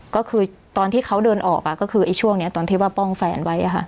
ก็คือตอนที่เขาเดินออกก็คือช่วงนี้ตอนที่ว่าป้องแฟนไว้